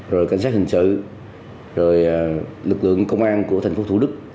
rồi lực lượng công an của thành phố thủ đức